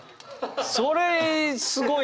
それすごいね。